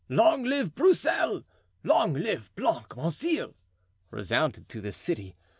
"Long live Broussel!" "Long live Blancmesnil!" resounded through the city.